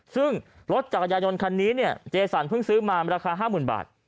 ซึ่งรถจักรยายนต์คันนี้เนี่ยเจสันเพิ่งซื้อมาราคา๕๐๐๐บาท